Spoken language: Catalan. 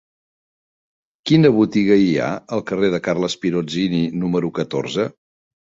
Quina botiga hi ha al carrer de Carles Pirozzini número catorze?